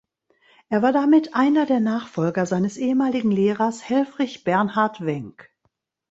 Er war damit einer der Nachfolger seines ehemaligen Lehrers Helfrich Bernhard Wenck.